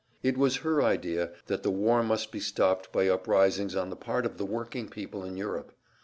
It was her idea that the war must be stopped by uprisings on the part of the working people in Europe.